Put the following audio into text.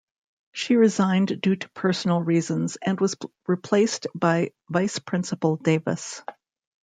She resigned due to personal reasons, and was replaced by Vice Principal Davis.